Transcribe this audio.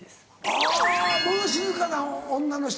あぁ物静かな女の人。